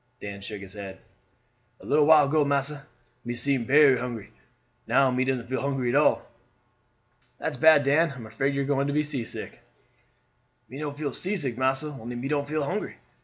Dan shook his head. "A little while ago, massa, me seem berry hungry, now me doesn't feel hungry at all." "That's bad, Dan. I am afraid you are going to be seasick." "Me no feel seasick, massa; only me don't feel hungry."